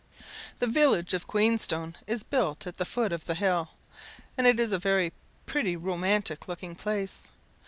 The village of Queenstone is built at the foot of the hill, and is a very pretty romantic looking place.